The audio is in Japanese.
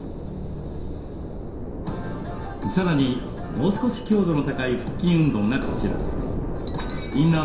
さらにもう少し強度の高い腹筋運動がこちら。